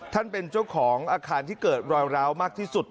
เป็นเจ้าของอาคารที่เกิดรอยร้าวมากที่สุด